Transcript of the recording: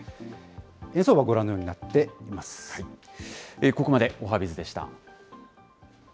円相場、ご覧のようになっていまここまでおはＢｉｚでした。